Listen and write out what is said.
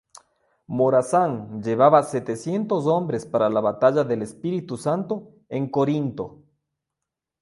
Morazán llevaba setecientos hombres para la Batalla del Espíritu Santo, en Corinto.